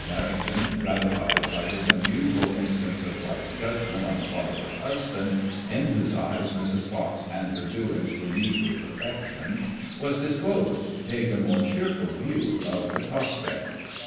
MerrihgtoUy gratified by this unusual instance of right judg ment on the part of her husband, in whose eyes Mrs. Fox and her doings were usually perfection, was disposed to take a more cheerful view of the prospect.